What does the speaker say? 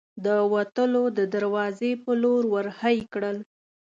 د وتلو د دراوزې په لور ور هۍ کړل.